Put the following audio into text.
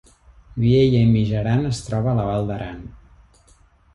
Vielha i Mijaran es troba a la Val d’Aran